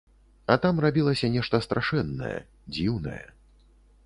А там рабілася нешта страшэннае, дзіўнае.